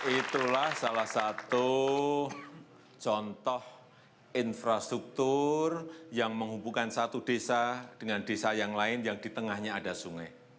itulah salah satu contoh infrastruktur yang menghubungkan satu desa dengan desa yang lain yang di tengahnya ada sungai